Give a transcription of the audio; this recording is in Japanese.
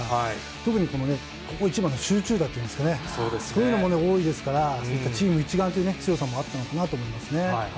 特にこのね、ここ一番の集中力ですかね、そういうのも多いですから、そういったチーム一丸という強さもあったのかなと思いますね。